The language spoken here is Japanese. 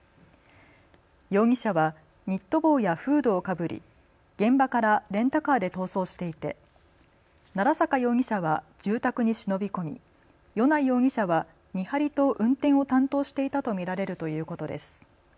容疑者はニット帽やフードをかぶり現場からレンタカーで逃走していて奈良坂容疑者は住宅に忍び込み、米内容疑者は見張りと運転を担当していたと見られるということです。